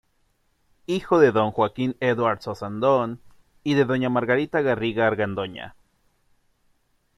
Hijo de don Joaquín Edwards Ossandón y de doña Margarita Garriga Argandoña.